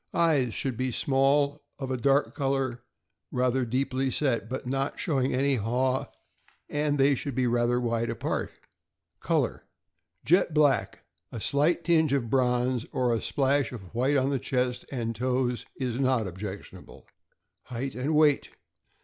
Eyes. — Should be small, of a dark brown color, rather deeply set, but not showing any haw, and they should be rather wide apart. Color. — Jet black. A slight tinge of bronze, or a splash of white on chest and toes, is not objectionable. Height and weight.